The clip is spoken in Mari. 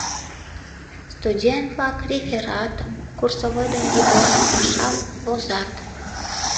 Студент-влак рефератым, курсовой ден дипломный пашам возат.